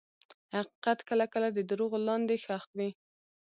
حقیقت کله کله د دروغو لاندې ښخ وي.